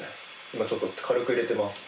今ちょっと軽く入れてます。